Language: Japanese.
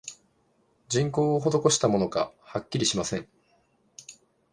人工をほどこしたものか、はっきりしません